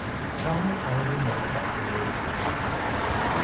"Tell me all you know about their meetings."